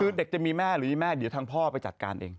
คือเด็กจะมีแม่หรือมีแม่เดี๋ยวทางพ่อไปจัดการเอง